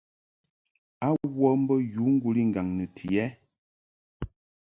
A wə mbə yǔ ŋguli ŋgaŋ nɨti ɛ ?